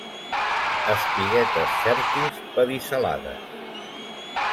Espiguetes fèrtils pedicel·lades.